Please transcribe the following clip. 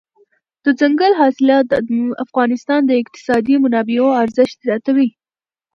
دځنګل حاصلات د افغانستان د اقتصادي منابعو ارزښت زیاتوي.